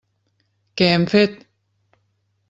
Què hem fet?